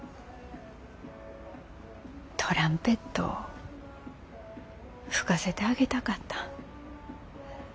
トランペットを吹かせてあげたかった。